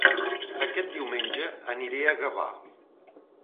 Aquest diumenge aniré a Gavà